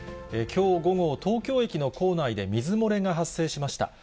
きょう午後、東京駅の構内で水漏れが発生しました。